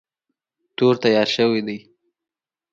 تور تیار شوی دی.